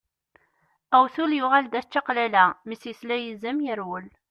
Awtul yuɣal d at čaqlala, mi s-yesla yizem yerwel.